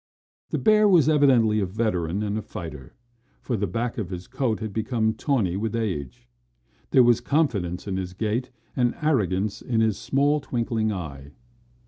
The bear was evidently a veteran and a fighter, for the black of his coat had become tawny with age. There was confidence in his gait and arrogance in his small, twinkling eye.